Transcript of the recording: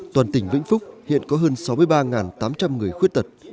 toàn tỉnh vĩnh phúc hiện có hơn sáu mươi ba tám trăm linh người khuyết tật